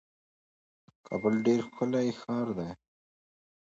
He is often booed loudly by the audience when coming out on the set.